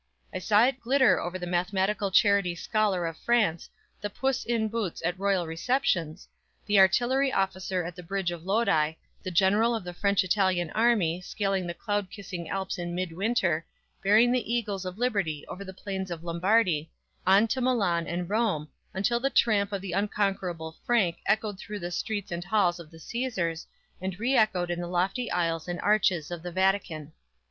I saw it glitter over the mathematical charity scholar of France, the "puss in boots" at royal receptions, the artillery officer at the Bridge of Lodi, the general of the French Italian army, scaling the cloud kissing Alps in mid winter, bearing the eagles of liberty over the plains of Lombardy, on to Milan and Rome, until the tramp of the unconquerable Frank echoed through the streets and halls of the Cæsars, and re echoed in the lofty aisles and arches of the Vatican!